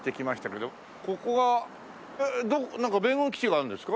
けどここはなんか米軍基地があるんですか？